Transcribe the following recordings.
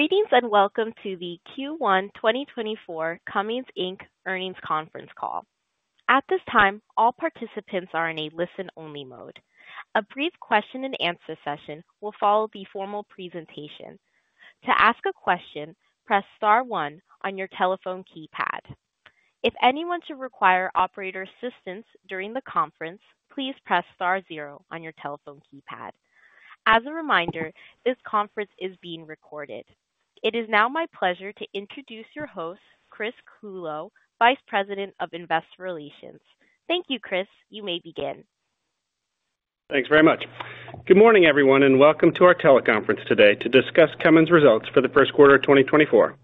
Greetings, and welcome to the Q1 2024 Cummins Inc earnings conference call. At this time, all participants are in a listen-only mode. A brief question and answer session will follow the formal presentation. To ask a question, press star one on your telephone keypad. If anyone should require operator assistance during the conference, please press star zero on your telephone keypad. As a reminder, this conference is being recorded. It is now my pleasure to introduce your host, Chris Clulow, Vice President of Investor Relations. Thank you, Chris. You may begin. Thanks very much. Good morning, everyone, and welcome to our teleconference today to discuss Cummins results for the first quarter of 2024.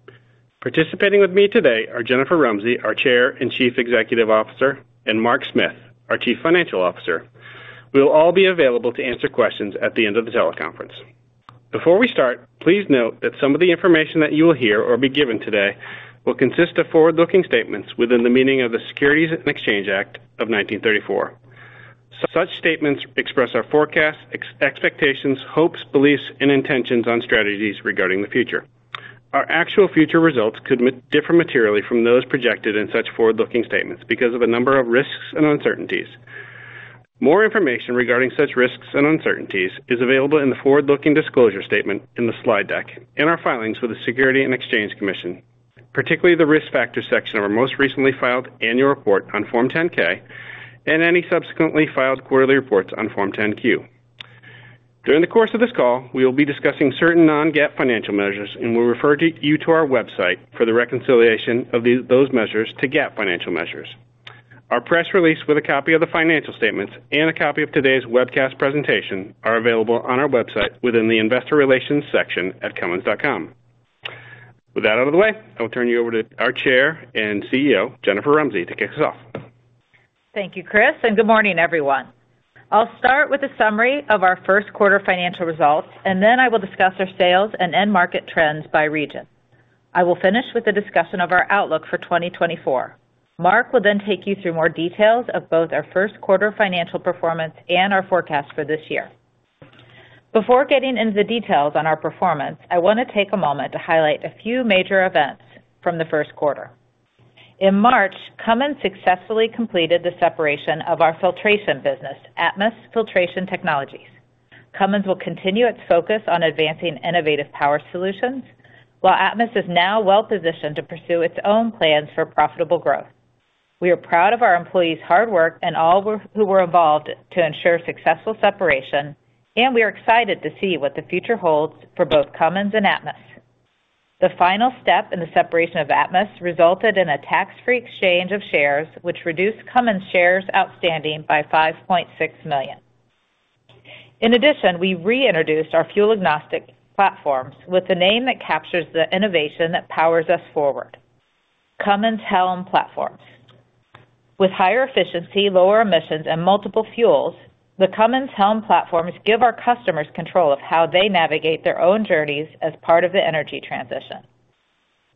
Participating with me today are Jennifer Rumsey, our Chair and Chief Executive Officer, and Mark Smith, our Chief Financial Officer. We will all be available to answer questions at the end of the teleconference. Before we start, please note that some of the information that you will hear or be given today will consist of forward-looking statements within the meaning of the Securities and Exchange Act of 1934. Such statements express our forecasts, expectations, hopes, beliefs, and intentions on strategies regarding the future. Our actual future results could differ materially from those projected in such forward-looking statements because of a number of risks and uncertainties. More information regarding such risks and uncertainties is available in the forward-looking disclosure statement in the slide deck, and our filings with the Securities and Exchange Commission, particularly the Risk Factors section of our most recently filed annual report on Form 10-K and any subsequently filed quarterly reports on Form 10-Q. During the course of this call, we will be discussing certain non-GAAP financial measures and will refer you to our website for the reconciliation of those measures to GAAP financial measures. Our press release with a copy of the financial statements and a copy of today's webcast presentation are available on our website within the Investor Relations section at cummins.com. With that out of the way, I will turn you over to our Chair and CEO, Jennifer Rumsey, to kick us off. Thank you, Chris, and good morning, everyone. I'll start with a summary of our first quarter financial results, and then I will discuss our sales and end market trends by region. I will finish with a discussion of our outlook for 2024. Mark will then take you through more details of both our first quarter financial performance and our forecast for this year. Before getting into the details on our performance, I want to take a moment to highlight a few major events from the first quarter. In March, Cummins successfully completed the separation of our filtration business, Atmus Filtration Technologies. Cummins will continue its focus on advancing innovative power solutions, while Atmus is now well-positioned to pursue its own plans for profitable growth. We are proud of our employees' hard work and all who were involved to ensure successful separation, and we are excited to see what the future holds for both Cummins and Atmus. The final step in the separation of Atmus resulted in a tax-free exchange of shares, which reduced Cummins shares outstanding by$5.6 million. In addition, we reintroduced our fuel-agnostic platforms with a name that captures the innovation that powers us forward, Cummins HELM Platforms. With higher efficiency, lower emissions, and multiple fuels, the Cummins HELM Platforms give our customers control of how they navigate their own journeys as part of the energy transition.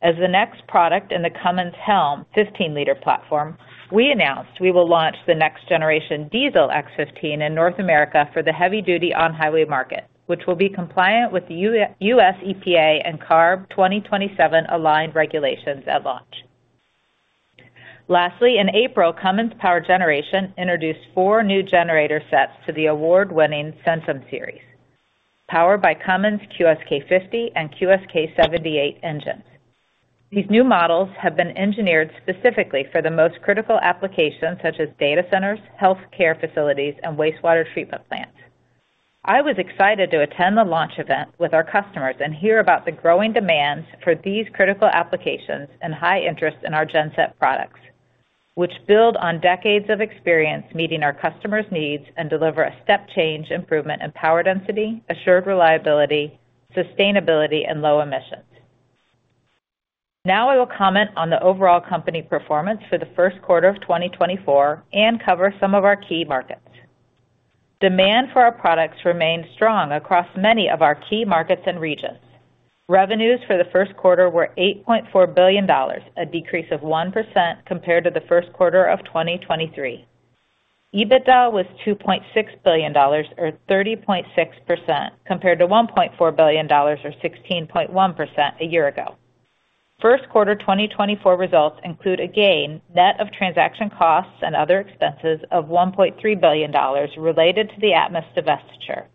As the next product in the Cummins HELM 15-liter platform, we announced we will launch the next generation diesel X15 in North America for the heavy-duty on-highway market, which will be compliant with the U.S. EPA and CARB 2027 aligned regulations at launch. Lastly, in April, Cummins Power Generation introduced four new generator sets to the award-winning Centum series, powered by Cummins QSK50 and QSK78 engines. These new models have been engineered specifically for the most critical applications such as data centers, healthcare facilities, and wastewater treatment plants. I was excited to attend the launch event with our customers and hear about the growing demands for these critical applications and high interest in our genset products, which build on decades of experience meeting our customers' needs and deliver a step change improvement in power density, assured reliability, sustainability, and low emissions. Now I will comment on the overall company performance for the first quarter of 2024 and cover some of our key markets. Demand for our products remained strong across many of our key markets and regions. Revenues for the first quarter were $8.4 billion, a decrease of 1% compared to the first quarter of 2023. EBITDA was $2.6 billion or 30.6%, compared to $1.4 billion or 16.1% a year ago. First quarter 2024 results include a gain net of transaction costs and other expenses of $1.3 billion related to the Atmus divestiture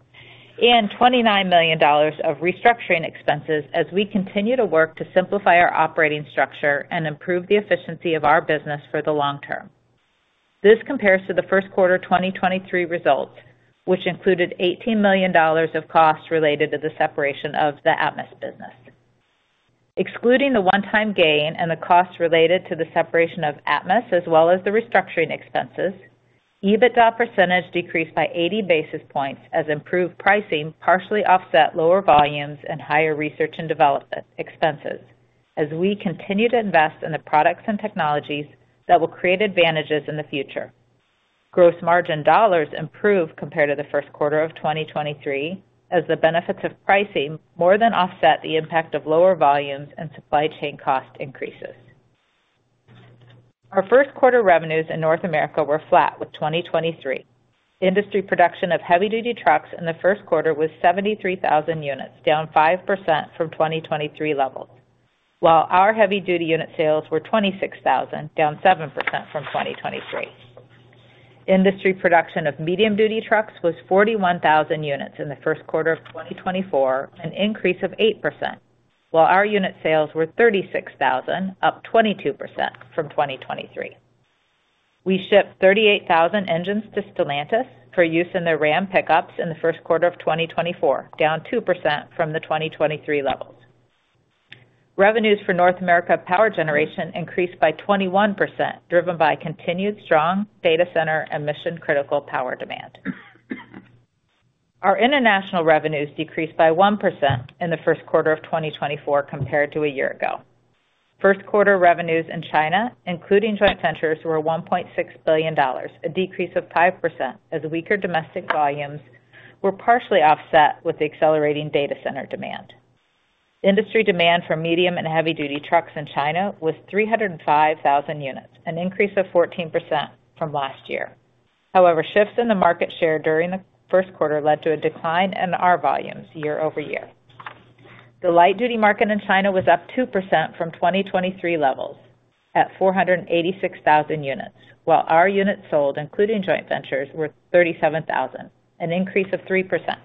and $29 million of restructuring expenses as we continue to work to simplify our operating structure and improve the efficiency of our business for the long term. This compares to the first quarter 2023 results, which included $18 million of costs related to the separation of the Atmus business. Excluding the one-time gain and the costs related to the separation of Atmus, as well as the restructuring expenses, EBITDA percentage decreased by 80 basis points as improved pricing partially offset lower volumes and higher research and development expenses. As we continue to invest in the products and technologies that will create advantages in the future. Gross margin dollars improved compared to the first quarter of 2023, as the benefits of pricing more than offset the impact of lower volumes and supply chain cost increases. Our first quarter revenues in North America were flat with 2023. Industry production of heavy-duty trucks in the first quarter was 73,000 units, down 5% from 2023 levels, while our heavy-duty unit sales were 26,000, down 7% from 2023. Industry production of medium-duty trucks was 41,000 units in the first quarter of 2024, an increase of 8%, while our unit sales were 36,000, up 22% from 2023. We shipped 38,000 engines to Stellantis for use in their Ram pickups in the first quarter of 2024, down 2% from the 2023 levels. Revenues for North America power generation increased by 21%, driven by continued strong data center and mission-critical power demand. Our international revenues decreased by 1% in the first quarter of 2024 compared to a year ago. First quarter revenues in China, including joint ventures, were $1.6 billion, a decrease of 5%, as weaker domestic volumes were partially offset with the accelerating data center demand. Industry demand for medium and heavy-duty trucks in China was 305,000 units, an increase of 14% from last year. However, shifts in the market share during the first quarter led to a decline in our volumes year-over-year. The light-duty market in China was up 2% from 2023 levels at 486,000 units, while our units sold, including joint ventures, were 37,000, an increase of 3%.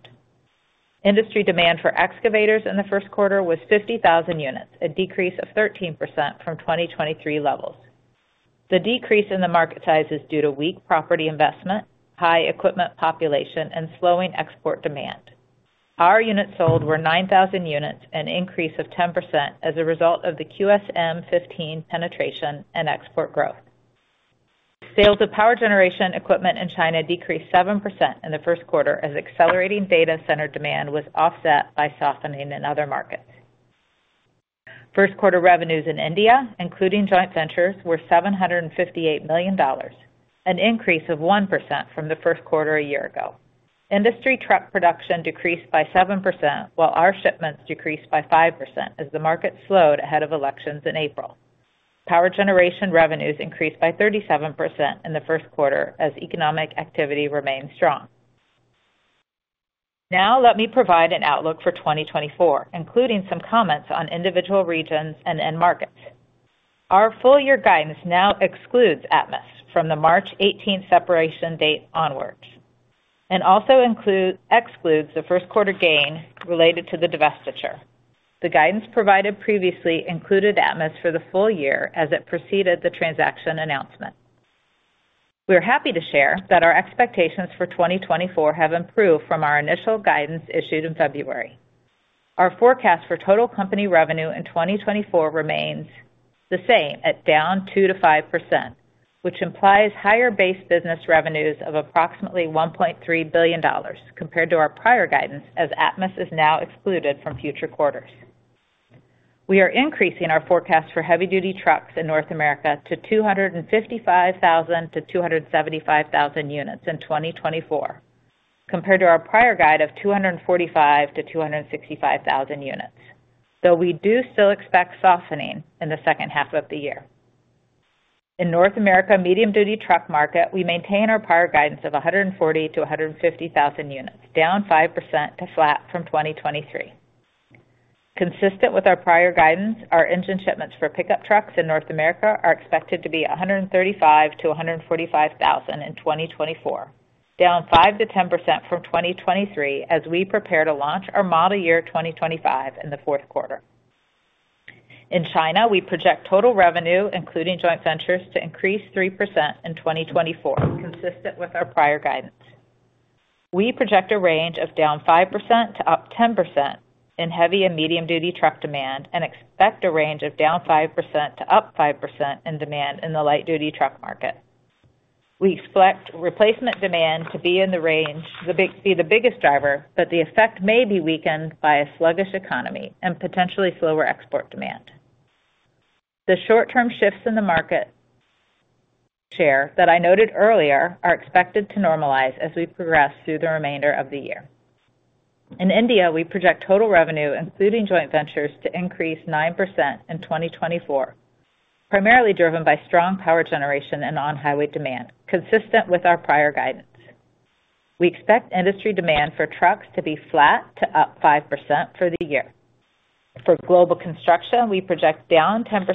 Industry demand for excavators in the first quarter was 50,000 units, a decrease of 13% from 2023 levels. The decrease in the market size is due to weak property investment, high equipment population, and slowing export demand. Our units sold were 9,000 units, an increase of 10% as a result of the QSM15 penetration and export growth. Sales of power generation equipment in China decreased 7% in the first quarter, as accelerating data center demand was offset by softening in other markets. First quarter revenues in India, including joint ventures, were $758 million, an increase of 1% from the first quarter a year ago. Industry truck production decreased by 7%, while our shipments decreased by 5% as the market slowed ahead of elections in April. Power generation revenues increased by 37% in the first quarter as economic activity remained strong. Now let me provide an outlook for 2024, including some comments on individual regions and end markets. Our full year guidance now excludes Atmus from the March 18 separation date onwards, and also excludes the first quarter gain related to the divestiture. The guidance provided previously included Atmus for the full year as it preceded the transaction announcement. We are happy to share that our expectations for 2024 have improved from our initial guidance issued in February. Our forecast for total company revenue in 2024 remains the same at down 2%-5%, which implies higher base business revenues of approximately $1.3 billion compared to our prior guidance, as Atmus is now excluded from future quarters. We are increasing our forecast for heavy-duty trucks in North America to 255,000-275,000 units in 2024, compared to our prior guide of 245,000-265,000 units, though we do still expect softening in the second half of the year. In North America, medium-duty truck market, we maintain our prior guidance of 140,000-150,000 units, down 5% to flat from 2023. Consistent with our prior guidance, our engine shipments for pickup trucks in North America are expected to be 135,000-145,000 in 2024, down 5%-10% from 2023 as we prepare to launch our model year 2025 in the fourth quarter. In China, we project total revenue, including joint ventures, to increase 3% in 2024, consistent with our prior guidance. We project a range of down 5% to up 10% in heavy and medium-duty truck demand, and expect a range of down 5% to up 5% in demand in the light-duty truck market. We expect replacement demand to be in the range, be the biggest driver, but the effect may be weakened by a sluggish economy and potentially slower export demand. The short-term shifts in the market share that I noted earlier are expected to normalize as we progress through the remainder of the year. In India, we project total revenue, including joint ventures, to increase 9% in 2024, primarily driven by strong power generation and on-highway demand, consistent with our prior guidance. We expect industry demand for trucks to be flat to up 5% for the year. For global construction, we project down 10%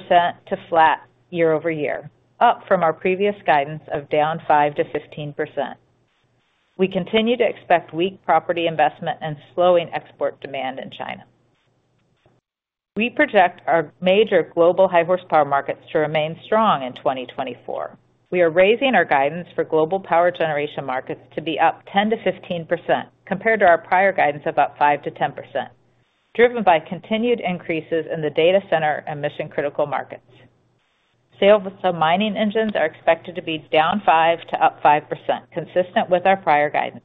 to flat year-over-year, up from our previous guidance of down 5%-15%. We continue to expect weak property investment and slowing export demand in China. We project our major global high horsepower markets to remain strong in 2024. We are raising our guidance for global power generation markets to be up 10%-15%, compared to our prior guidance of up 5%-10%, driven by continued increases in the data center and mission-critical markets. Sales of mining engines are expected to be down 5% to up 5%, consistent with our prior guidance.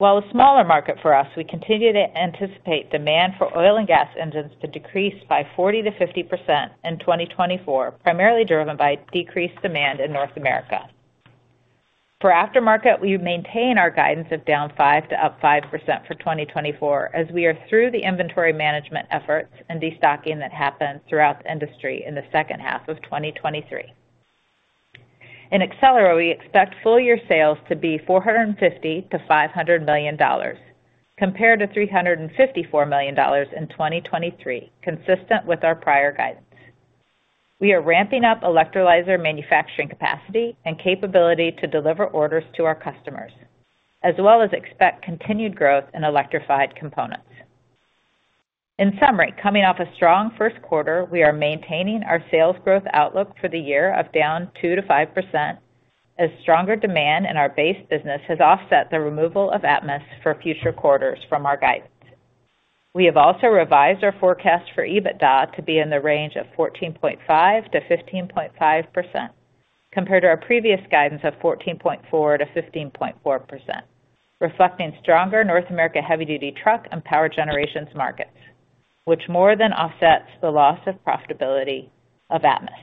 While a smaller market for us, we continue to anticipate demand for oil and gas engines to decrease by 40%-50% in 2024, primarily driven by decreased demand in North America. For aftermarket, we maintain our guidance of down 5%-up 5% for 2024, as we are through the inventory management efforts and destocking that happened throughout the industry in the second half of 2023. In Accelera, we expect full year sales to be $450 million-$500 million, compared to $354 million in 2023, consistent with our prior guidance. We are ramping up electrolyzer manufacturing capacity and capability to deliver orders to our customers, as well as expect continued growth in electrified components. In summary, coming off a strong first quarter, we are maintaining our sales growth outlook for the year of down 2%-5%, as stronger demand in our base business has offset the removal of Atmus for future quarters from our guidance. We have also revised our forecast for EBITDA to be in the range of 14.5%-15.5%, compared to our previous guidance of 14.4%-15.4%, reflecting stronger North America heavy-duty truck and power generation markets, which more than offsets the loss of profitability of Atmus.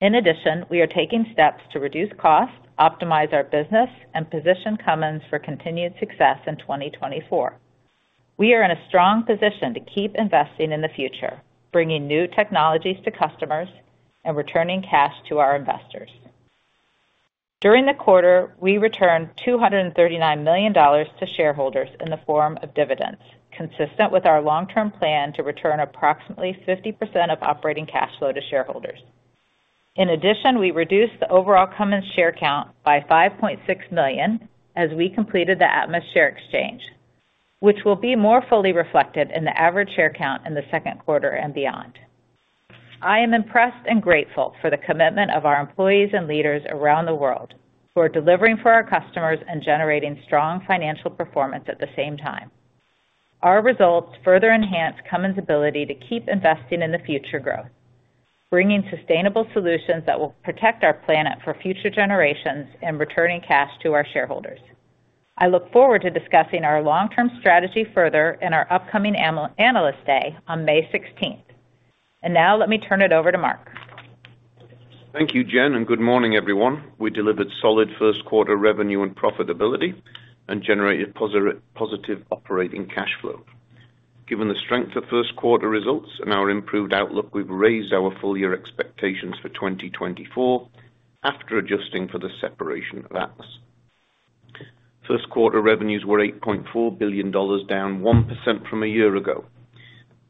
In addition, we are taking steps to reduce costs, optimize our business, and position Cummins for continued success in 2024. We are in a strong position to keep investing in the future, bringing new technologies to customers and returning cash to our investors. During the quarter, we returned $239 million to shareholders in the form of dividends, consistent with our long-term plan to return approximately 50% of operating cash flow to shareholders. In addition, we reduced the overall Cummins share count by 5.6 million as we completed the Atmus share exchange, which will be more fully reflected in the average share count in the second quarter and beyond. I am impressed and grateful for the commitment of our employees and leaders around the world for delivering for our customers and generating strong financial performance at the same time. Our results further enhance Cummins' ability to keep investing in the future growth, bringing sustainable solutions that will protect our planet for future generations and returning cash to our shareholders. I look forward to discussing our long-term strategy further in our upcoming analyst day on May 16th. And now let me turn it over to Mark. Thank you, Jen, and good morning, everyone. We delivered solid first quarter revenue and profitability and generated positive operating cash flow. Given the strength of first quarter results and our improved outlook, we've raised our full year expectations for 2024 after adjusting for the separation of Atmus. First quarter revenues were $8.4 billion, down 1% from a year ago.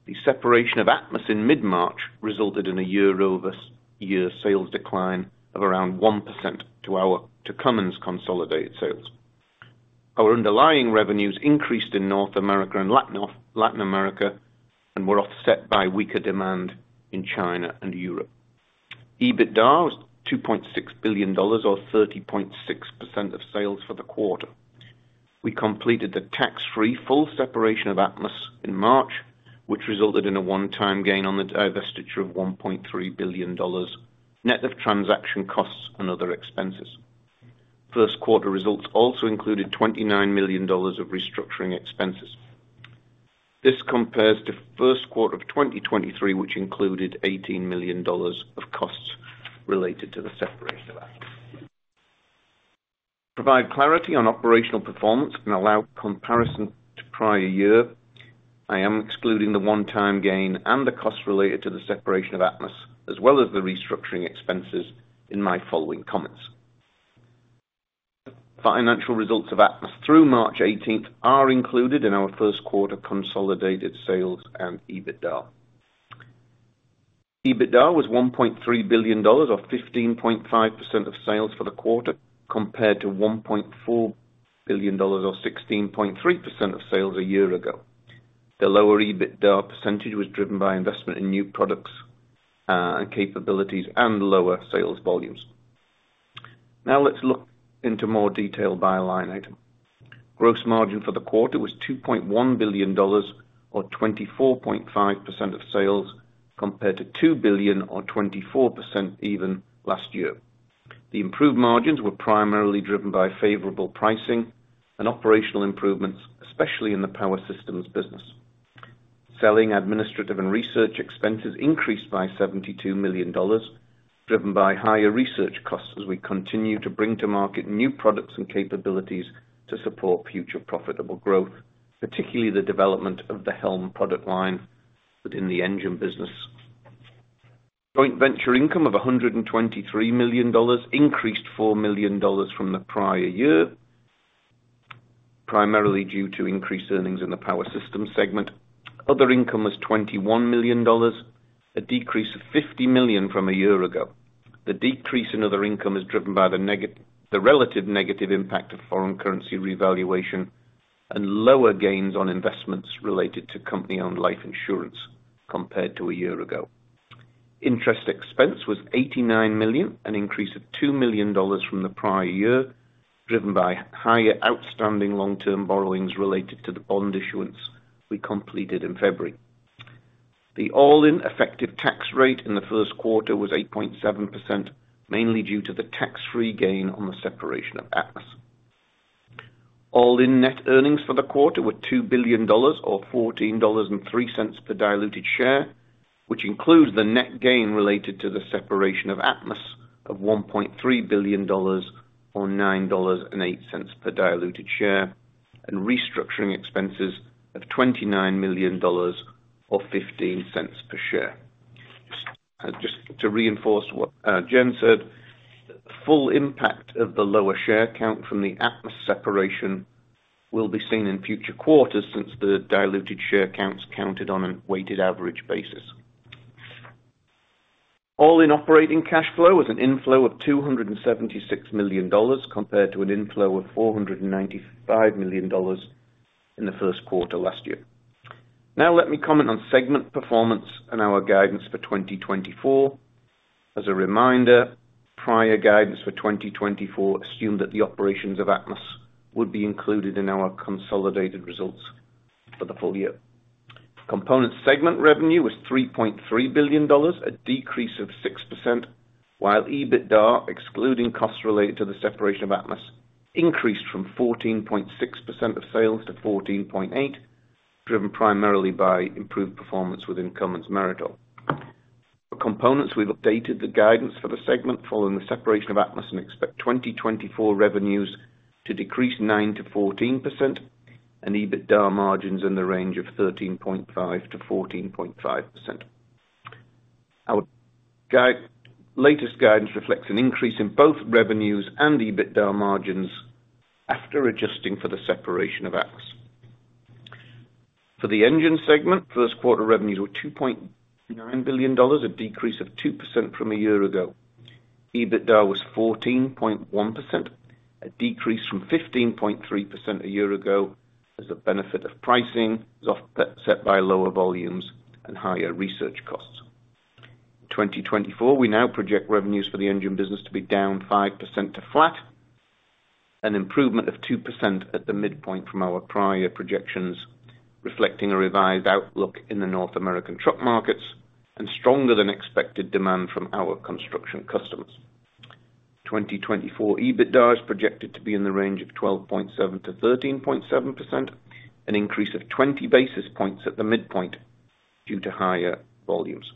The separation of Atmus in mid-March resulted in a year-over-year sales decline of around 1% to our to Cummins consolidated sales. Our underlying revenues increased in North America and Latin America, and were offset by weaker demand in China and Europe. EBITDA was $2.6 billion or 30.6% of sales for the quarter. We completed the tax-free full separation of Atmus in March, which resulted in a one-time gain on the divestiture of $1.3 billion, net of transaction costs and other expenses. First quarter results also included $29 million of restructuring expenses. This compares to first quarter of 2023, which included $18 million of costs related to the separation of Atmus. Provide clarity on operational performance and allow comparison to prior year, I am excluding the one-time gain and the costs related to the separation of Atmus, as well as the restructuring expenses in my following comments. Financial results of Atmus through March eighteenth are included in our first quarter consolidated sales and EBITDA. EBITDA was $1.3 billion or 15.5% of sales for the quarter, compared to $1.4 billion or 16.3% of sales a year ago. The lower EBITDA percentage was driven by investment in new products and capabilities and lower sales volumes. Now, let's look into more detail by line item. Gross margin for the quarter was $2.1 billion or 24.5% of sales, compared to $2 billion or 24% even last year. The improved margins were primarily driven by favorable pricing and operational improvements, especially in the power systems business. Selling, administrative, and research expenses increased by $72 million, driven by higher research costs, as we continue to bring to market new products and capabilities to support future profitable growth, particularly the development of the Helm product line within the engine business. Joint venture income of $123 million increased $4 million from the prior year, primarily due to increased earnings in the power systems segment. Other income was $21 million, a decrease of $50 million from a year ago. The decrease in other income is driven by the relative negative impact of foreign currency revaluation and lower gains on investments related to company-owned life insurance compared to a year ago. Interest expense was $89 million, an increase of $2 million from the prior year, driven by higher outstanding long-term borrowings related to the bond issuance we completed in February. The all-in effective tax rate in the first quarter was 8.7%, mainly due to the tax-free gain on the separation of Atmus. All in net earnings for the quarter were $2 billion, or $14.03 per diluted share, which includes the net gain related to the separation of Atmus of $1.3 billion, or $9.08 per diluted share, and restructuring expenses of $29 million, or $0.15 per share. Just to reinforce what Jen said, the full impact of the lower share count from the Atmus separation will be seen in future quarters since the diluted share counts counted on a weighted average basis. All in operating cash flow was an inflow of $276 million, compared to an inflow of $495 million in the first quarter last year. Now let me comment on segment performance and our guidance for 2024. As a reminder, prior guidance for 2024 assumed that the operations of Atmus would be included in our consolidated results for the full year. Component segment revenue was $3.3 billion, a decrease of 6%, while EBITDA, excluding costs related to the separation of Atmus, increased from 14.6% of sales to 14.8%, driven primarily by improved performance within Cummins Meritor. For components, we've updated the guidance for the segment following the separation of Atmus and expect 2024 revenues to decrease 9%-14% and EBITDA margins in the range of 13.5%-14.5%. Our latest guidance reflects an increase in both revenues and EBITDA margins after adjusting for the separation of Atmus. For the engine segment, first quarter revenues were $2.9 billion, a decrease of 2% from a year ago. EBITDA was 14.1%, a decrease from 15.3% a year ago, as a benefit of pricing is offset by lower volumes and higher research costs. In 2024, we now project revenues for the engine business to be down 5% to flat, an improvement of 2% at the midpoint from our prior projections, reflecting a revised outlook in the North American truck markets and stronger than expected demand from our construction customers. 2024 EBITDA is projected to be in the range of 12.7%-13.7%, an increase of 20 basis points at the midpoint, due to higher volumes.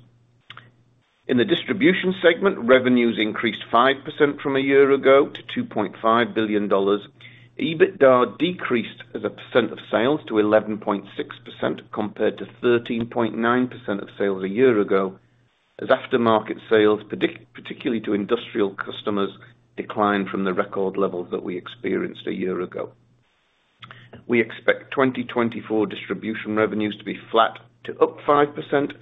In the distribution segment, revenues increased 5% from a year ago to $2.5 billion. EBITDA decreased as a percent of sales to 11.6%, compared to 13.9% of sales a year ago, as aftermarket sales, particularly to industrial customers, declined from the record levels that we experienced a year ago. We expect 2024 distribution revenues to be flat to up 5%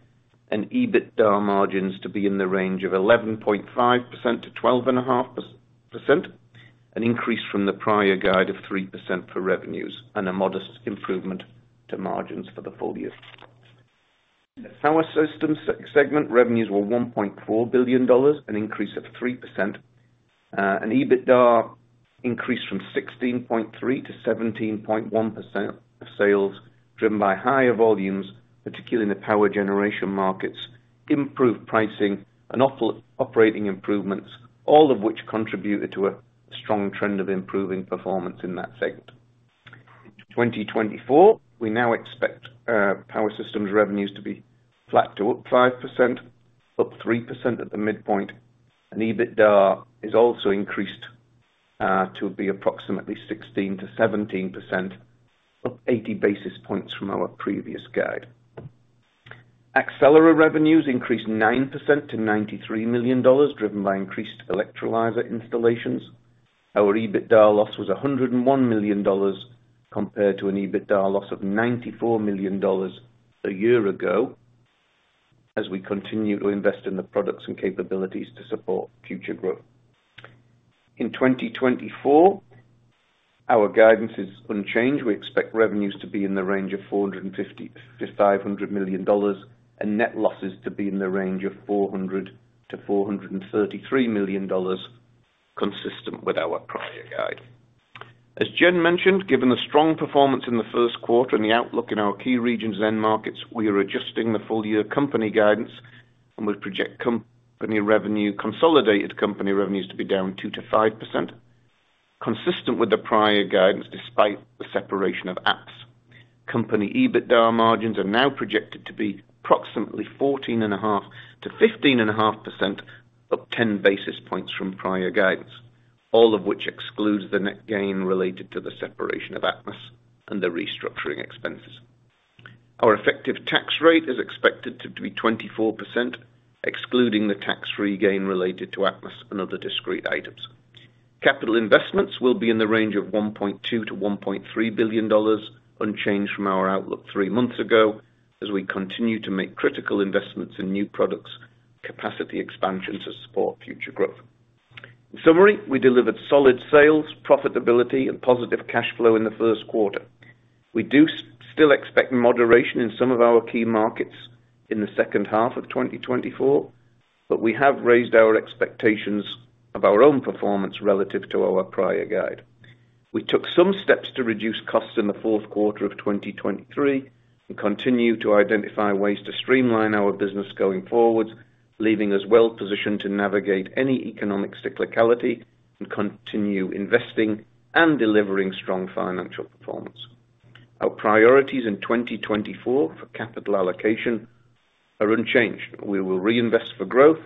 and EBITDA margins to be in the range of 11.5%-12.5%, an increase from the prior guide of 3% for revenues and a modest improvement to margins for the full year. The power systems segment revenues were $1.4 billion, an increase of 3%, and EBITDA increased from 16.3% to 17.1% of sales, driven by higher volumes, particularly in the power generation markets, improved pricing and operating improvements, all of which contributed to a strong trend of improving performance in that segment. 2024, we now expect power systems revenues to be flat to up 5%, up 3% at the midpoint, and EBITDA is also increased to be approximately 16%-17%, up 80 basis points from our previous guide. Accelera revenues increased 9% to $93 million, driven by increased electrolyzer installations. Our EBITDA loss was $101 million, compared to an EBITDA loss of $94 million a year ago, as we continue to invest in the products and capabilities to support future growth. In 2024, our guidance is unchanged. We expect revenues to be in the range of $450 million-$500 million, and net losses to be in the range of $400 million-$433 million, consistent with our prior guide. As Jen mentioned, given the strong performance in the first quarter and the outlook in our key regions and markets, we are adjusting the full year company guidance, and we project company revenue—consolidated company revenues to be down 2%-5%, consistent with the prior guidance, despite the separation of Atmus. Company EBITDA margins are now projected to be approximately 14.5%-15.5%, up 10 basis points from prior guidance, all of which excludes the net gain related to the separation of Atmus and the restructuring expenses. Our effective tax rate is expected to be 24%, excluding the tax-free gain related to Atmus and other discrete items. Capital investments will be in the range of $1.2 billion-$1.3 billion, unchanged from our outlook three months ago, as we continue to make critical investments in new products, capacity expansion to support future growth. In summary, we delivered solid sales, profitability and positive cash flow in the first quarter. We do still expect moderation in some of our key markets in the second half of 2024, but we have raised our expectations of our own performance relative to our prior guide. We took some steps to reduce costs in the fourth quarter of 2023. We continue to identify ways to streamline our business going forward, leaving us well-positioned to navigate any economic cyclicality and continue investing and delivering strong financial performance. Our priorities in 2024 for capital allocation are unchanged. We will reinvest for growth,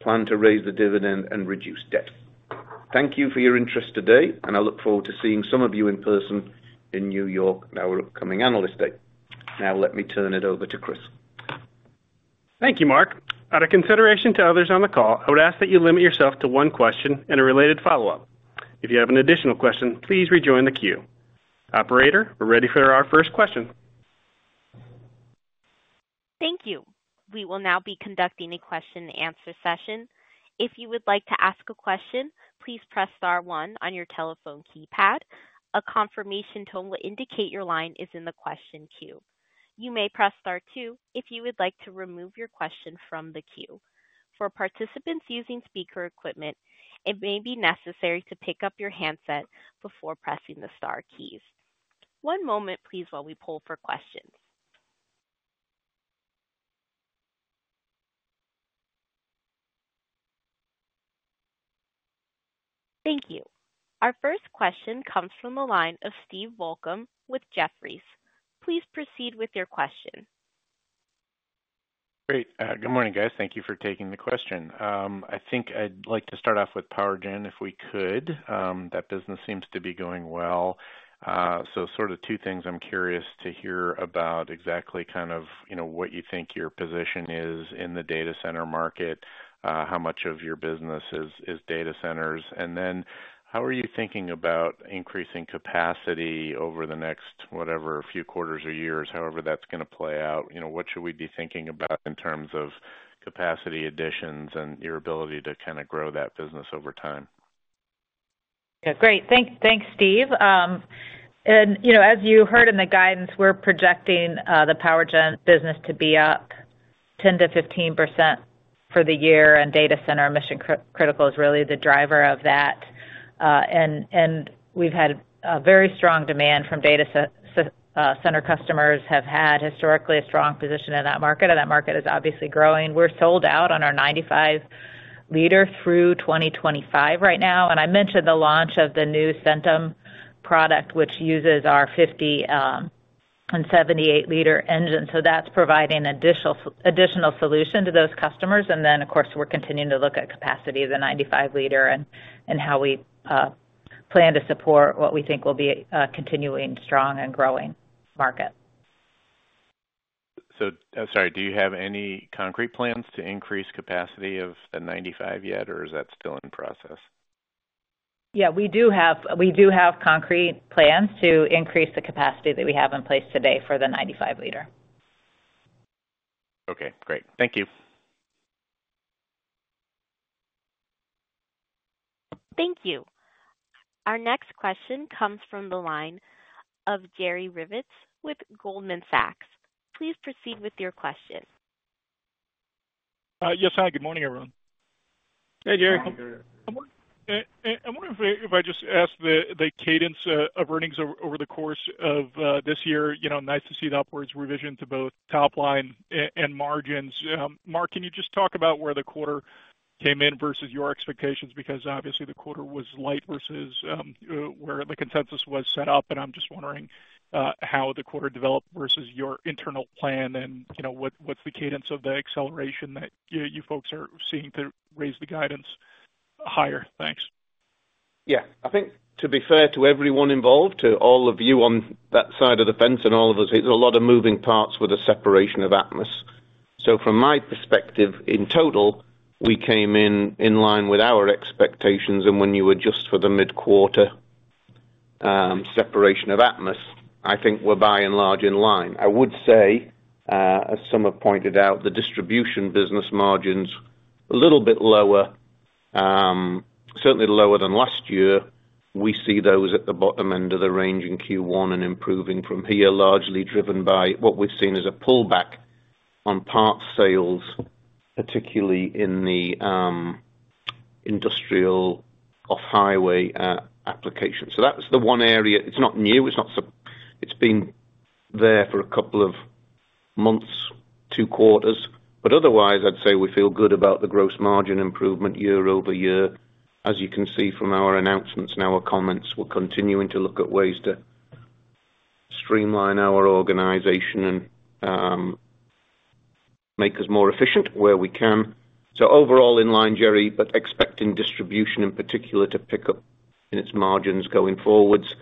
plan to raise the dividend, and reduce debt. Thank you for your interest today, and I look forward to seeing some of you in person in New York at our upcoming Analyst Day. Now let me turn it over to Chris. Thank you, Mark. Out of consideration to others on the call, I would ask that you limit yourself to one question and a related follow-up. If you have an additional question, please rejoin the queue. Operator, we're ready for our first question. Thank you. We will now be conducting a question-and-answer session. If you would like to ask a question, please press star one on your telephone keypad. A confirmation tone will indicate your line is in the question queue. You may press star two if you would like to remove your question from the queue. For participants using speaker equipment, it may be necessary to pick up your handset before pressing the star keys. One moment, please, while we pull for questions. Thank you. Our first question comes from the line of Steve Volkmann with Jefferies. Please proceed with your question. Great. Good morning, guys. Thank you for taking the question. I think I'd like to start off with PowerGen, if we could. That business seems to be going well. So sort of two things I'm curious to hear about exactly kind of, you know, what you think your position is in the data center market, how much of your business is, is data centers? And then how are you thinking about increasing capacity over the next, whatever, few quarters or years, however that's gonna play out? You know, what should we be thinking about in terms of capacity additions and your ability to kind of grow that business over time? Great. Thanks, Steve. And, you know, as you heard in the guidance, we're projecting the PowerGen business to be up 10%-15% for the year, and data center mission critical is really the driver of that. And we've had a very strong demand from data center customers, have had historically a strong position in that market, and that market is obviously growing. We're sold out on our 95-liter through 2025 right now, and I mentioned the launch of the new Centum product, which uses our 50- and 78-liter engine. So that's providing additional solution to those customers. And then, of course, we're continuing to look at capacity of the 95-liter and how we plan to support what we think will be a continuing, strong, and growing market. I'm sorry, do you have any concrete plans to increase capacity of the 95 yet, or is that still in process? Yeah, we do have concrete plans to increase the capacity that we have in place today for the 95-liter. Okay, great. Thank you. Thank you. Our next question comes from the line of Jerry Revich with Goldman Sachs. Please proceed with your question. Yes, hi, good morning, everyone. Hey, Jerry. Good morning, Jerry. I wonder if I just ask the cadence of earnings over the course of this year, you know, nice to see the upwards revision to both top line and margins. Mark, can you just talk about where the quarter came in versus your expectations? Because obviously the quarter was light versus where the consensus was set up, and I'm just wondering how the quarter developed versus your internal plan, and, you know, what's the cadence of the acceleration that you folks are seeking to raise the guidance higher? Thanks. Yeah. I think to be fair to everyone involved, to all of you on that side of the fence and all of us, it's a lot of moving parts with the separation of Atmus. So from my perspective, in total, we came in in line with our expectations, and when you adjust for the mid-quarter separation of Atmus, I think we're by and large in line. I would say, as some have pointed out, the distribution business margin's a little bit lower, certainly lower than last year. We see those at the bottom end of the range in Q1 and improving from here, largely driven by what we've seen as a pullback on parts sales, particularly in the industrial off-highway application. So that's the one area. It's not new. It's been there for a couple of months, two quarters. Otherwise, I'd say we feel good about the gross margin improvement year-over-year. As you can see from our announcements and our comments, we're continuing to look at ways to streamline our organization and, make us more efficient where we can. Overall, in line, Jerry, but expecting distribution in particular to pick up in its margins going forwards.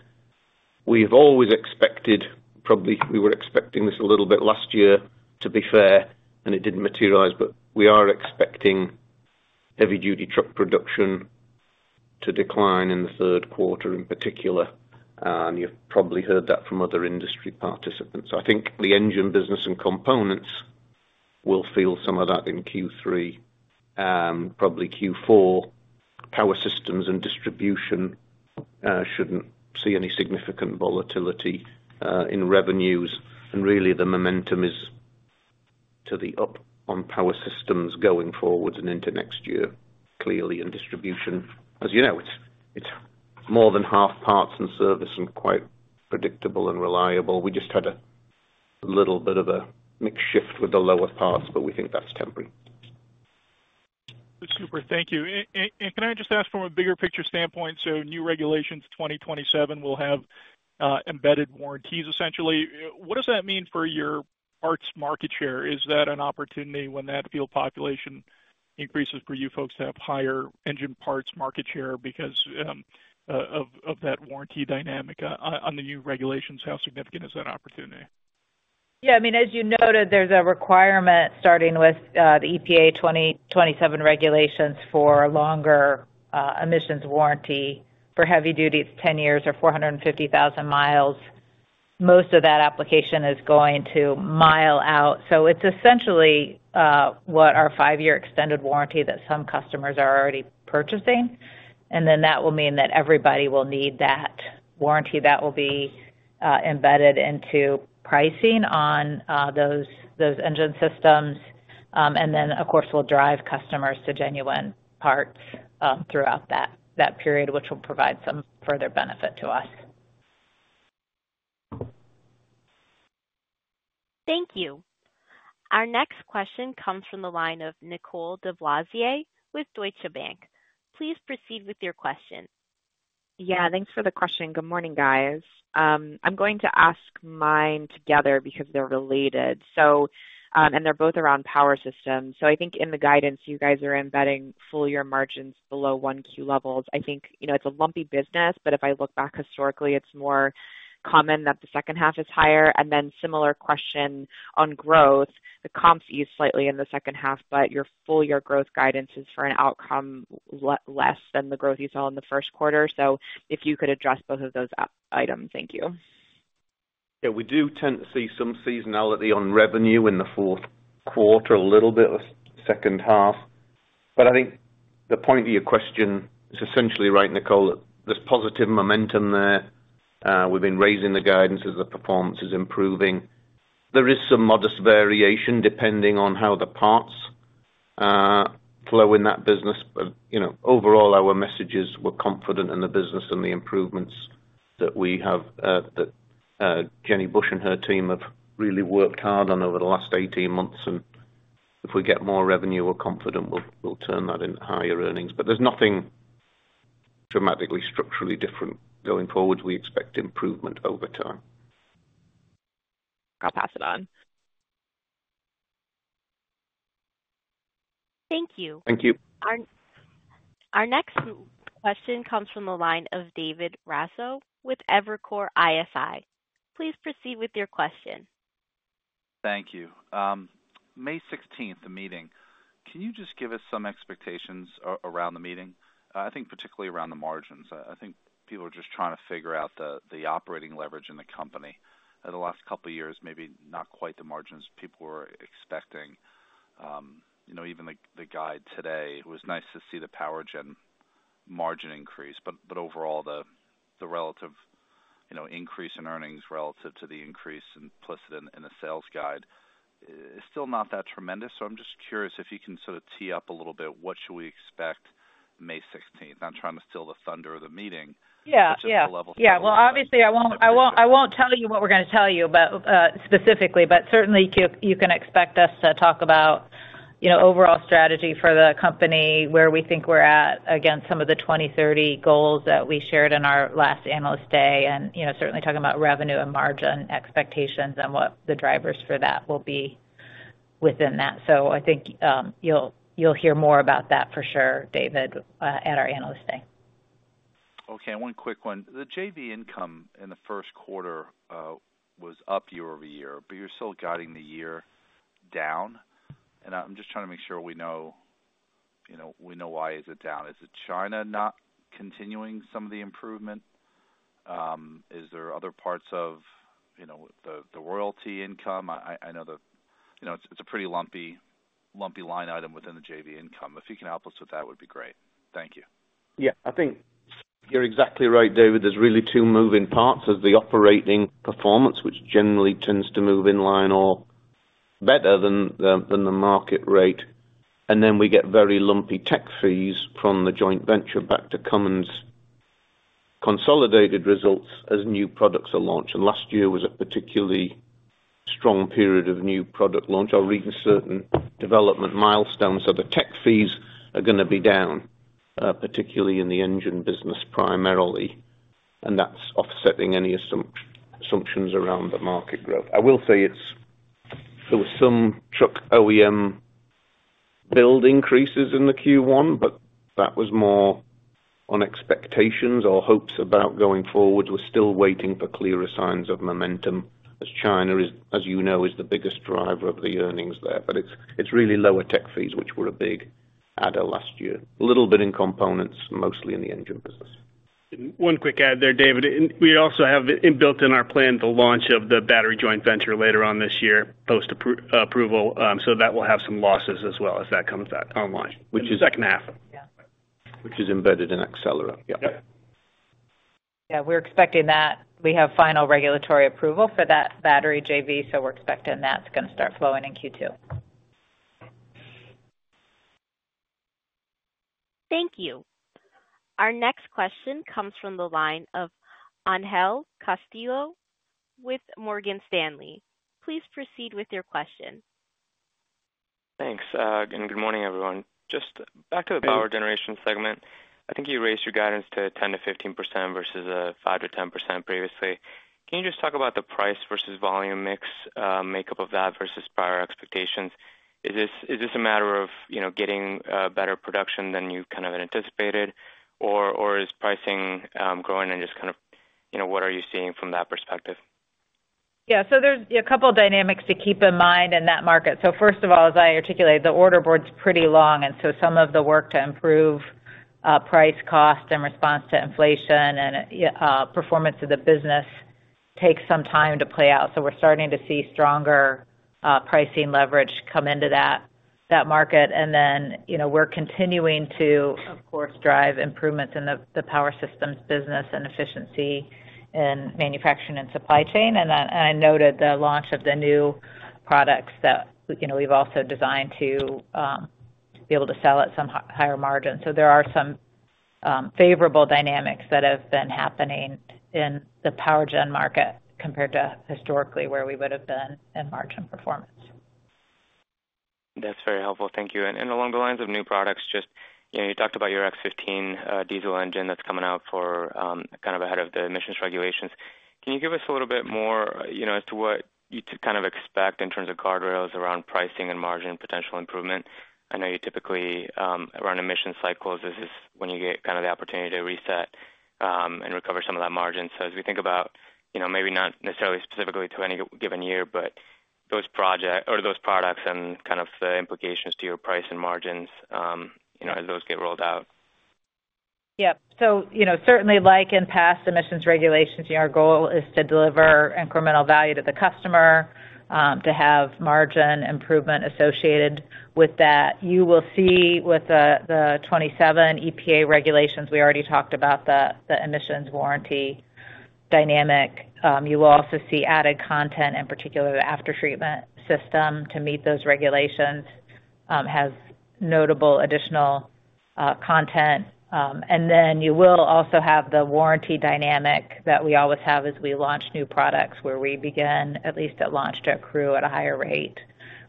We've always expected, probably, we were expecting this a little bit last year, to be fair, and it didn't materialize, but we are expecting heavy-duty truck production to decline in the third quarter in particular, and you've probably heard that from other industry participants. I think the engine business and components will feel some of that in Q3 and probably Q4. Power systems and distribution, shouldn't see any significant volatility, in revenues, and really the momentum is to the up on power systems going forward and into next year. Clearly, in distribution, as you know, it's, it's more than half parts and service and quite predictable and reliable. We just had a little bit of a mix shift with the lower parts, but we think that's temporary. Super. Thank you. And can I just ask from a bigger picture standpoint? So new regulations, 2027 will have embedded warranties, essentially. What does that mean for your parts market share? Is that an opportunity when that field population increases for you folks to have higher engine parts market share because of that warranty dynamic on the new regulations, how significant is that opportunity? Yeah, I mean, as you noted, there's a requirement starting with the EPA 2027 regulations for longer emissions warranty. For heavy duty, it's 10 years or 450,000 miles. Most of that application is going to mile out. So it's essentially what our 5-year extended warranty that some customers are already purchasing. And then that will mean that everybody will need that warranty. That will be embedded into pricing on those engine systems. And then, of course, we'll drive customers to genuine parts throughout that period, which will provide some further benefit to us. Thank you. Our next question comes from the line of Nicole DeBlase with Deutsche Bank. Please proceed with your question. Yeah, thanks for the question. Good morning, guys. I'm going to ask mine together because they're related, so, and they're both around power systems. So I think in the guidance, you guys are embedding full year margins below 1Q levels. I think, you know, it's a lumpy business, but if I look back historically, it's more common that the second half is higher. And then similar question on growth, the comp is slightly in the second half, but your full year growth guidance is for an outcome less than the growth you saw in the first quarter. So if you could address both of those items. Thank you. Yeah, we do tend to see some seasonality on revenue in the fourth quarter, a little bit of second half. But I think the point of your question is essentially right, Nicole. There's positive momentum there. We've been raising the guidance as the performance is improving. There is some modest variation depending on how the parts flow in that business. But, you know, overall, our messages were confident in the business and the improvements that we have that Jenny Bush and her team have really worked hard on over the last 18 months, and if we get more revenue, we're confident we'll turn that into higher earnings. But there's nothing dramatically structurally different going forward. We expect improvement over time. I'll pass it on. Thank you. Thank you. Our next question comes from the line of David Raso with Evercore ISI. Please proceed with your question. Thank you. May 16th, the meeting. Can you just give us some expectations around the meeting? I think particularly around the margins. I think people are just trying to figure out the, the operating leverage in the company. In the last couple of years, maybe not quite the margins people were expecting. You know, even the, the guide today, it was nice to see the power gen margin increase, but, but overall, the, the relative, you know, increase in earnings relative to the increase implicit in, in the sales guide is still not that tremendous. So I'm just curious if you can sort of tee up a little bit, what should we expect May 16th? I'm trying to steal the thunder of the meeting. Yeah. Just to level- Yeah. Well, obviously, I won't, I won't, I won't tell you what we're gonna tell you, but specifically, but certainly, you can expect us to talk about, you know, overall strategy for the company, where we think we're at against some of the 2030 goals that we shared in our last Analyst Day, and, you know, certainly talking about revenue and margin expectations and what the drivers for that will be within that. So I think you'll hear more about that for sure, David, at our Analyst Day. Okay, one quick one. The JV income in the first quarter was up year-over-year, but you're still guiding the year down. And I'm just trying to make sure we know, you know, we know why is it down. Is it China not continuing some of the improvement? Is there other parts of, you know, the royalty income? I know the-- you know, it's a pretty lumpy line item within the JV income. If you can help us with that, would be great. Thank you. Yeah, I think you're exactly right, David. There's really two moving parts of the operating performance, which generally tends to move in line or better than the market rate. And then we get very lumpy tech fees from the joint venture back to Cummins' consolidated results as new products are launched. And last year was a particularly strong period of new product launch or reaching certain development milestones. So the tech fees are gonna be down, particularly in the engine business, primarily, and that's offsetting any assumptions around the market growth. I will say there were some truck OEM build increases in the Q1, but that was more on expectations or hopes about going forward. We're still waiting for clearer signs of momentum as China, as you know, is the biggest driver of the earnings there. But it's really lower tech fees, which were a big adder last year. A little bit in components, mostly in the engine business. One quick add there, David. And we also have it built in our plan, the launch of the battery joint venture later on this year, post-approval. So that will have some losses as well as that comes back online, which is the second half. Yeah. Which is embedded in Accelera. Yeah. Yeah, we're expecting that we have final regulatory approval for that battery JV, so we're expecting that's gonna start flowing in Q2. Thank you. Our next question comes from the line of Angel Castillo with Morgan Stanley. Please proceed with your question. Thanks, and good morning, everyone. Just back to the power generation segment, I think you raised your guidance to 10%-15% versus, five to 10% previously. Can you just talk about the price versus volume mix, makeup of that versus prior expectations? Is this, is this a matter of, you know, getting, better production than you kind of had anticipated? Or, or is pricing, growing and just kind of, you know, what are you seeing from that perspective? Yeah. So there's a couple of dynamics to keep in mind in that market. So first of all, as I articulated, the order board's pretty long, and so some of the work to improve price, cost and response to inflation and performance of the business takes some time to play out. So we're starting to see stronger pricing leverage come into that market. And then, you know, we're continuing to, of course, drive improvements in the power systems business and efficiency in manufacturing and supply chain. And I noted the launch of the new products that, you know, we've also designed to be able to sell at some higher margins. So there are some favorable dynamics that have been happening in the power gen market compared to historically where we would have been in margin performance. That's very helpful. Thank you. And along the lines of new products, just, you know, you talked about your X15 diesel engine that's coming out for kind of ahead of the emissions regulations. Can you give us a little bit more, you know, as to what you kind of expect in terms of guardrails around pricing and margin potential improvement? I know you typically around emission cycles, this is when you get kind of the opportunity to reset and recover some of that margin. So as we think about, you know, maybe not necessarily specifically to any given year, but those project or those products and kind of the implications to your price and margins, you know, as those get rolled out. Yeah. So, you know, certainly like in past emissions regulations, our goal is to deliver incremental value to the customer, to have margin improvement associated with that. You will see with the 2027 EPA regulations, we already talked about the emissions warranty dynamic. You will also see added content, in particular, the aftertreatment system to meet those regulations, has notable additional content. And then you will also have the warranty dynamic that we always have as we launch new products, where we begin, at least at launch, to accrue at a higher rate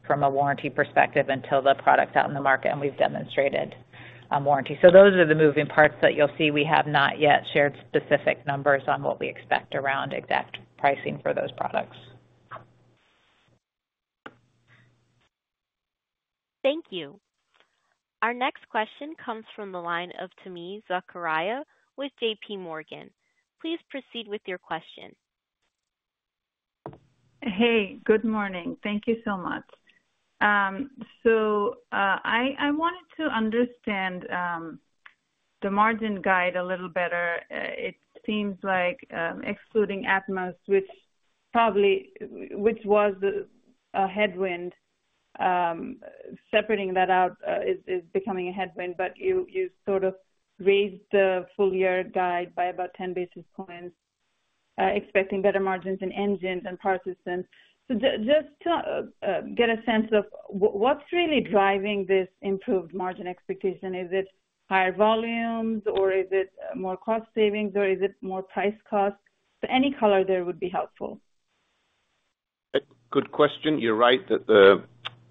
from a warranty perspective, until the product's out in the market, and we've demonstrated a warranty. So those are the moving parts that you'll see. We have not yet shared specific numbers on what we expect around exact pricing for those products. Thank you. Our next question comes from the line of Tami Zakaria with JP Morgan. Please proceed with your question. Hey, good morning. Thank you so much. I wanted to understand the margin guide a little better. It seems like, excluding Atmus, which probably—which was a headwind, separating that out is becoming a headwind, but you sort of raised the full-year guide by about 10 basis points, expecting better margins in engines and power systems. So just to get a sense of what's really driving this improved margin expectation? Is it higher volumes, or is it more cost savings, or is it more price costs? So any color there would be helpful. Good question. You're right that the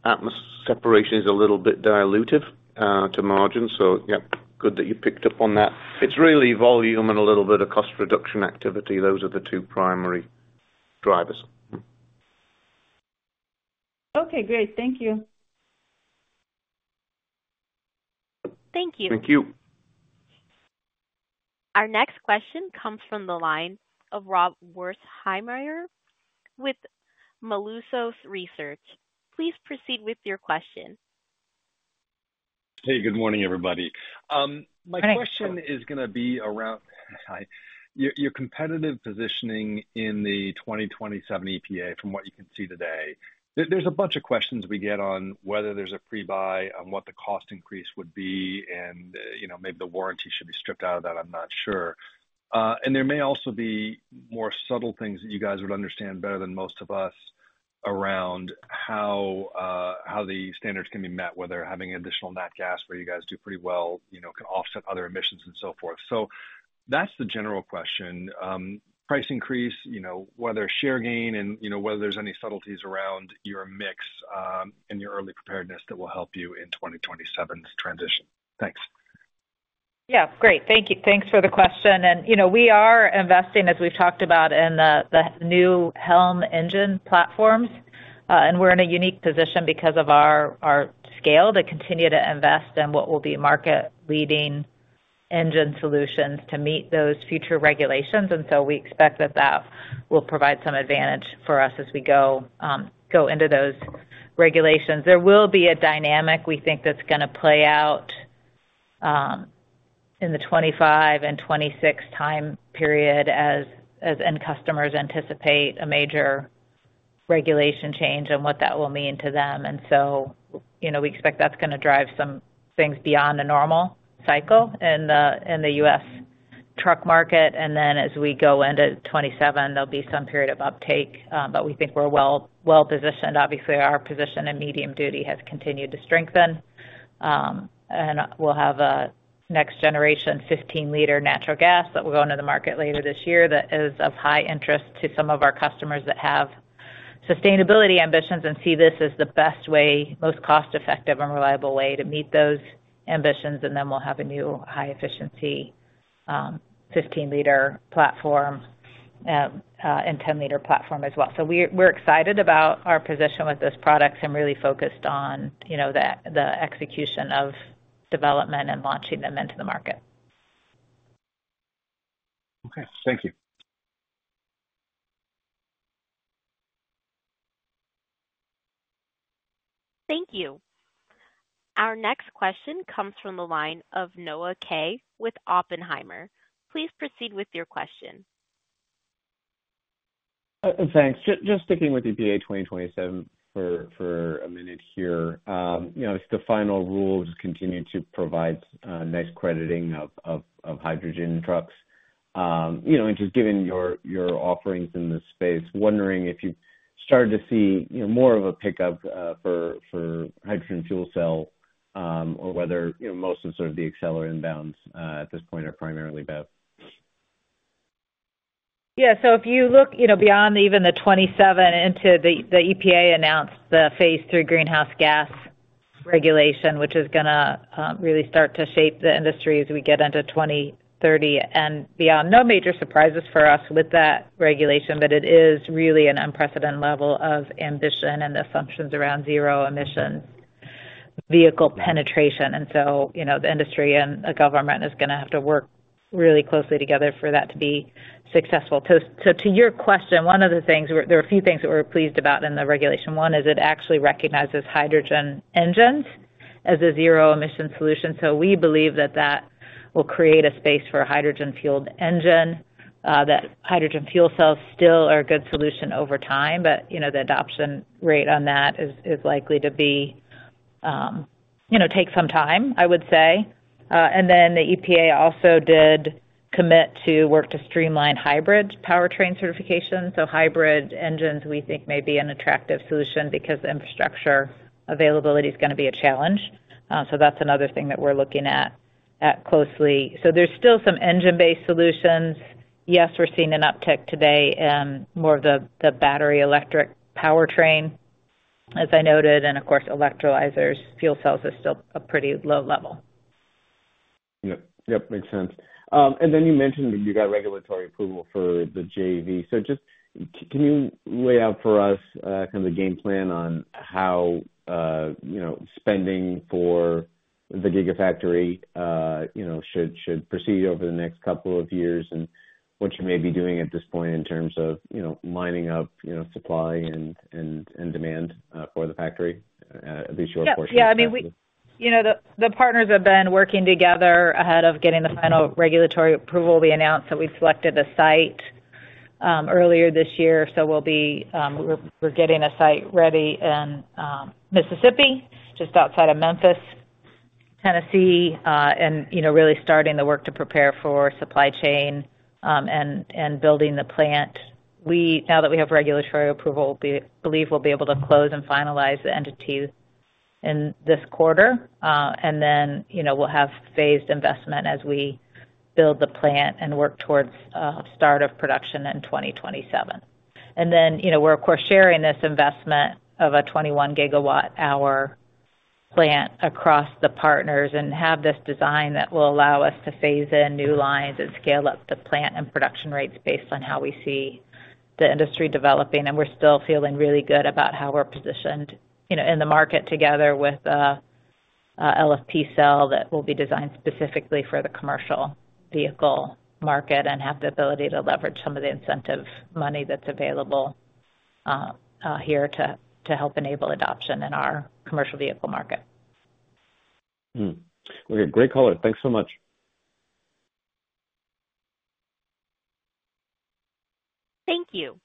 Atmus separation is a little bit dilutive to margin, so yep, good that you picked up on that. It's really volume and a little bit of cost reduction activity. Those are the two primary drivers. Okay, great. Thank you. Thank you. Thank you. Our next question comes from the line of Rob Wertheimer with Melius Research. Please proceed with your question. Hey, good morning, everybody. Hi. My question is gonna be around your competitive positioning in the 2027 EPA, from what you can see today. There's a bunch of questions we get on whether there's a pre-buy, on what the cost increase would be, and, you know, maybe the warranty should be stripped out of that, I'm not sure. And there may also be more subtle things that you guys would understand better than most of us, around how the standards can be met, whether having additional nat gas, where you guys do pretty well, you know, can offset other emissions and so forth. So that's the general question. Price increase, you know, whether share gain and, you know, whether there's any subtleties around your mix, and your early preparedness that will help you in 2027's transition. Thanks. Yeah, great. Thank you. Thanks for the question. And, you know, we are investing, as we've talked about, in the new HELM engine platforms, and we're in a unique position because of our scale to continue to invest in what will be market-leading engine solutions to meet those future regulations. And so we expect that will provide some advantage for us as we go into those regulations. There will be a dynamic, we think, that's gonna play out in the 2025 and 2026 time period, as end customers anticipate a major regulation change and what that will mean to them. And so, you know, we expect that's going to drive some things beyond a normal cycle in the U.S. truck market. And then as we go into 2027, there'll be some period of uptake, but we think we're well, well-positioned. Obviously, our position in medium duty has continued to strengthen. And we'll have a next generation 15L natural gas that will go into the market later this year. That is of high interest to some of our customers that have sustainability ambitions and see this as the best way, most cost effective and reliable way to meet those ambitions. And then we'll have a new high efficiency, 15L platform, and 10L platform as well. So we're excited about our position with those products and really focused on, you know, the execution of development and launching them into the market. Okay, thank you. Thank you. Our next question comes from the line of Noah Kaye, with Oppenheimer. Please proceed with your question. Thanks. Just sticking with EPA 2027 for a minute here. You know, if the final rules continue to provide nice crediting of hydrogen trucks, you know, and just given your offerings in this space, wondering if you've started to see, you know, more of a pickup for hydrogen fuel cell, or whether, you know, most of sort of the Accelera business at this point are primarily BEV? Yeah, so if you look, you know, beyond even the 2027 into the, the EPA announced the phase III greenhouse gas regulation, which is gonna really start to shape the industry as we get into 2030 and beyond. No major surprises for us with that regulation, but it is really an unprecedented level of ambition and assumptions around zero emissions vehicle penetration. And so, you know, the industry and the government is gonna have to work really closely together for that to be successful. So, so to your question, one of the things—there were a few things that we were pleased about in the regulation. One is it actually recognizes hydrogen engines as a zero emission solution. So we believe that that will create a space for a hydrogen fueled engine, that hydrogen fuel cells still are a good solution over time, but, you know, the adoption rate on that is, is likely to be, you know, take some time, I would say. And then the EPA also did commit to work to streamline hybrid powertrain certification. So hybrid engines, we think, may be an attractive solution because infrastructure availability is gonna be a challenge. So that's another thing that we're looking at, at closely. So there's still some engine-based solutions. Yes, we're seeing an uptick today in more of the, the battery electric powertrain, as I noted, and of course, electrolyzers fuel cells are still a pretty low level. Yep, yep, makes sense. And then you mentioned that you got regulatory approval for the JV. So just, can you lay out for us, kind of the game plan on how, you know, spending for the Gigafactory, you know, should proceed over the next couple of years, and what you may be doing at this point in terms of, you know, lining up, you know, supply and demand for the factory, at least short term? Yeah, I mean, we, you know, the partners have been working together ahead of getting the final regulatory approval. We announced that we selected a site earlier this year, so we'll be... We're, we're getting a site ready in Mississippi, just outside of Memphis, Tennessee, and, you know, really starting the work to prepare for supply chain and building the plant. We now that we have regulatory approval, believe we'll be able to close and finalize the entities in this quarter, and then, you know, we'll have phased investment as we build the plant and work towards start of production in 2027. Then, you know, we're, of course, sharing this investment of a 21GWh plant across the partners and have this design that will allow us to phase in new lines and scale up the plant and production rates based on how we see the industry developing. We're still feeling really good about how we're positioned, you know, in the market together with a LFP cell that will be designed specifically for the commercial vehicle market and have the ability to leverage some of the incentive money that's available here to help enable adoption in our commercial vehicle market. Hmm. Okay, great call. Thanks so much. Thank you.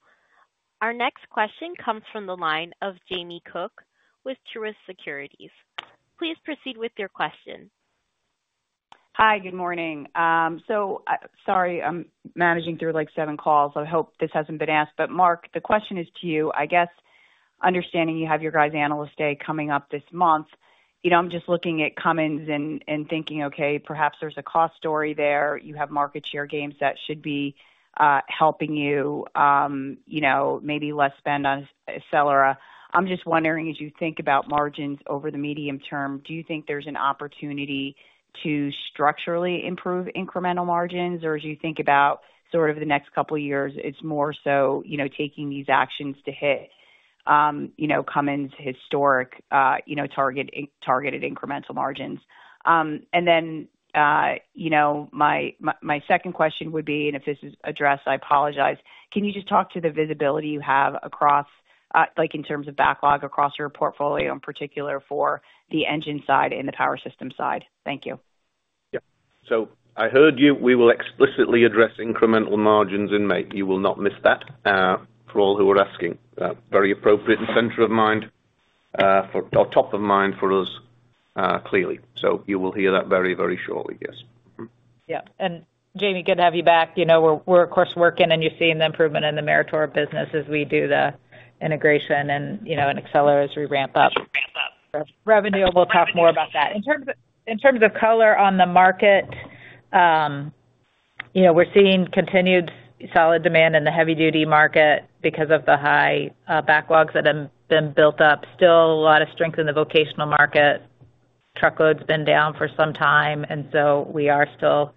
Our next question comes from the line of Jamie Cook with Truist Securities. Please proceed with your question. Hi, good morning. So, sorry, I'm managing through, like, seven calls. I hope this hasn't been asked, but Mark, the question is to you, I guess, understanding you have your guys' Analyst Day coming up this month. You know, I'm just looking at Cummins and thinking, okay, perhaps there's a cost story there. You have market share gains that should be helping you, you know, maybe less spend on Accelera. I'm just wondering, as you think about margins over the medium term, do you think there's an opportunity to structurally improve incremental margins? Or as you think about sort of the next couple of years, it's more so, you know, taking these actions to hit, you know, Cummins' historic targeted incremental margins. And then, you know, my second question would be, and if this is addressed, I apologize. Can you just talk to the visibility you have across, like, in terms of backlog across your portfolio, in particular for the engine side and the power system side? Thank you. Yeah. So I heard you. We will explicitly address incremental margins in May. You will not miss that, for all who are asking. Very appropriate and center of mind, or top of mind for us, clearly. So you will hear that very, very shortly, yes. Yeah. Jamie, good to have you back. You know, we're of course working, and you're seeing the improvement in the Meritor business as we do the integration and, you know, and accelerate as we ramp up. Revenue, we'll talk more about that. In terms of color on the market, you know, we're seeing continued solid demand in the heavy-duty market because of the high backlogs that have been built up. Still a lot of strength in the vocational market. Truckload's been down for some time, and so we are still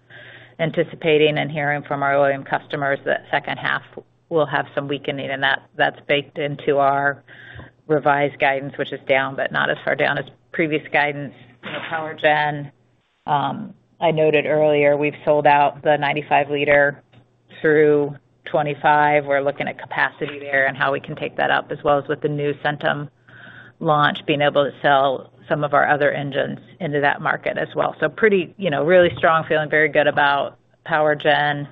anticipating and hearing from our OEM customers that second half will have some weakening, and that, that's baked into our revised guidance, which is down, but not as far down as previous guidance. You know, power gen, I noted earlier, we've sold out the 95-liter through 25. We're looking at capacity there and how we can take that up, as well as with the new Centum launch, being able to sell some of our other engines into that market as well. So pretty, you know, really strong, feeling very good about power gen,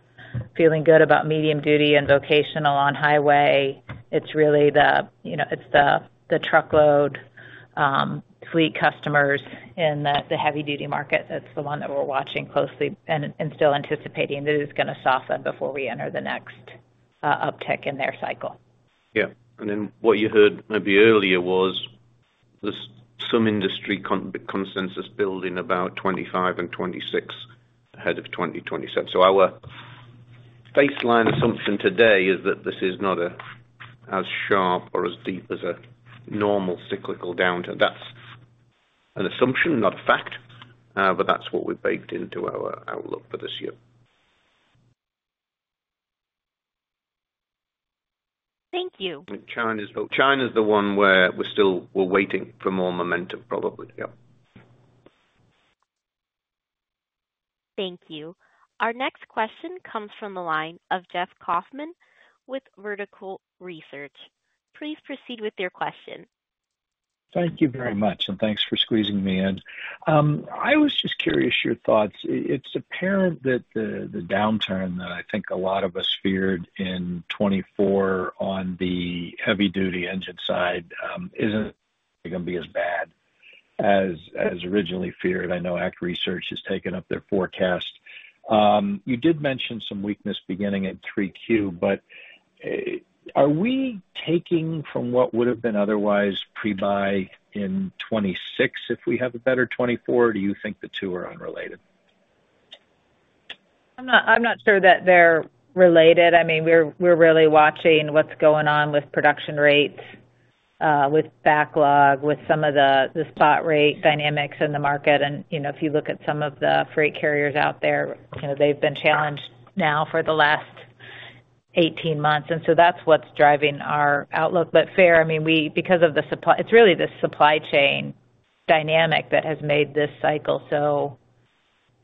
feeling good about medium duty and vocational on highway. It's really the, you know, it's the, the truckload, fleet customers in the, the heavy duty market. That's the one that we're watching closely and still anticipating that it is gonna soften before we enter the next uptick in their cycle. Yeah. And then what you heard maybe earlier was there's some industry consensus building about 2025 and 2026, ahead of 2027. So our baseline assumption today is that this is not as sharp or as deep as a normal cyclical downturn. That's an assumption, not a fact, but that's what we've baked into our outlook for this year. Thank you. China's the one where we're still... We're waiting for more momentum, probably. Yeah. Thank you. Our next question comes from the line of Jeff Kauffman with Vertical Research. Please proceed with your question. Thank you very much, and thanks for squeezing me in. I was just curious, your thoughts. It's apparent that the downturn that I think a lot of us feared in 2024 on the heavy duty engine side isn't gonna be as bad as originally feared. I know ACT Research has taken up their forecast. You did mention some weakness beginning in 3Q, but are we taking from what would have been otherwise pre-buy in 2026 if we have a better 2024? Do you think the two are unrelated? I'm not sure that they're related. I mean, we're really watching what's going on with production rates, with backlog, with some of the spot rate dynamics in the market. And, you know, if you look at some of the freight carriers out there, you know, they've been challenged now for the last 18 months, and so that's what's driving our outlook. But fair, I mean, because of the supply, it's really the supply chain dynamic that has made this cycle so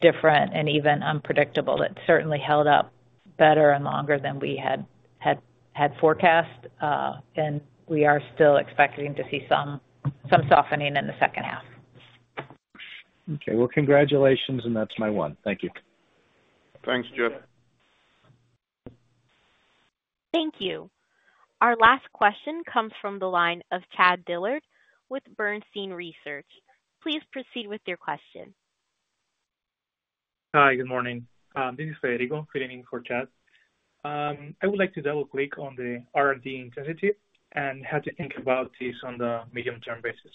different and even unpredictable. It certainly held up better and longer than we had forecast, and we are still expecting to see some softening in the second half. Okay. Well, congratulations, and that's my one. Thank you. Thanks, Jeff. Thank you. Our last question comes from the line of Chad Dillard with Bernstein Research. Please proceed with your question. Hi, good morning. This is Federico filling in for Chad. I would like to double-click on the R&D intensity and how to think about this on the medium-term basis.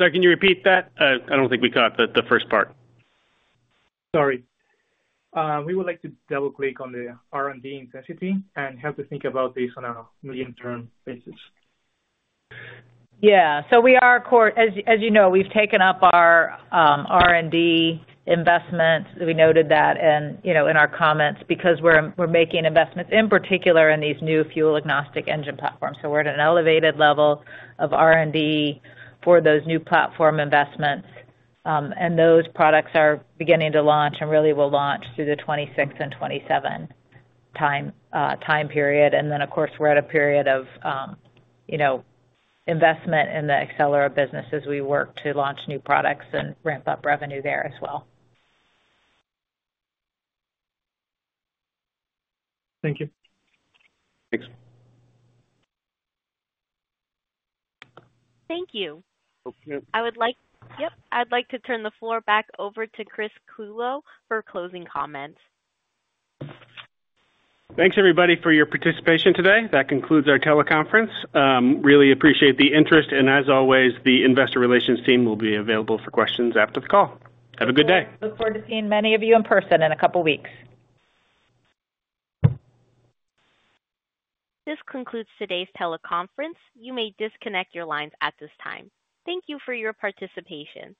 Sir, can you repeat that? I don't think we caught the first part. Sorry. We would like to double-click on the R&D intensity and how to think about this on a medium-term basis. Yeah. So we are, as you know, we've taken up our R&D investments. We noted that and, you know, in our comments, because we're making investments, in particular, in these new fuel agnostic engine platforms. So we're at an elevated level of R&D for those new platform investments, and those products are beginning to launch and really will launch through the 2026 and 2027 time period. And then, of course, we're at a period of, you know, investment in the Accelerate business as we work to launch new products and ramp up revenue there as well. Thank you. Thanks. Thank you. Okay. Yep, I'd like to turn the floor back over to Chris Clulow for closing comments. Thanks, everybody, for your participation today. That concludes our teleconference. Really appreciate the interest, and as always, the investor relations team will be available for questions after the call. Have a good day. Look forward to seeing many of you in person in a couple weeks. This concludes today's teleconference. You may disconnect your lines at this time. Thank you for your participation.